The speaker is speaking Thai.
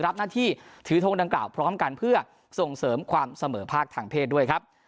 รับหน้าที่ถือทงดังกล่าวพร้อมกันเพื่อส่งเสริมความเสมอภาคทางเพศด้วยครับ